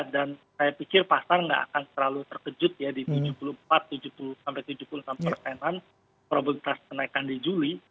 dan saya pikir pasar nggak akan terlalu terkejut ya di tujuh puluh empat tujuh puluh enam persenan probabilitas kenaikan di juli